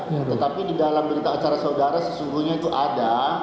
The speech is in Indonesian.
ya tetapi di dalam berita acara saudara sesungguhnya itu ada